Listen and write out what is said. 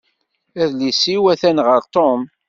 Adlis-iw atan ɣer Tom.